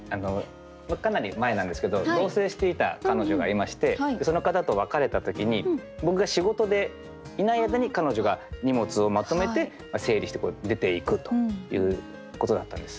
かなり前なんですけど同棲していた彼女がいましてその方と別れた時に僕が仕事でいない間に彼女が荷物をまとめて整理して出て行くということだったんです。